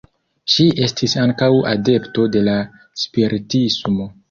Ŝi estis ankaŭ adepto de la spiritismo.